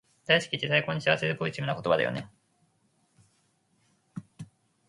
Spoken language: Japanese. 大好きって最高に幸せでポジティブな言葉だよね